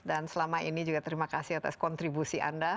dan selama ini juga terima kasih atas kontribusi anda